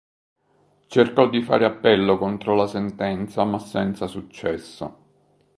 Cercò di fare appello contro la sentenza ma senza successo.